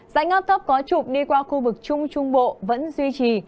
dãy ngáp thấp có trụp đi qua khu vực trung trung bộ vẫn duy trì